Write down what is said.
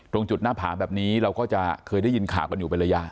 ตรงจุดหน้าผาแบบนี้เราก็จะเคยได้ยินข่าวกันอยู่เป็นระยะ